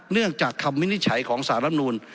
เนื่องจากคำวินิจฉัยของสารรับนูล